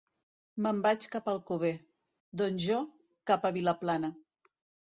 Me'n vaig cap a Alcover. —Doncs jo, cap a Vilaplana.